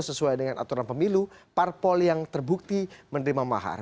sesuai dengan aturan pemilu parpol yang terbukti menerima mahar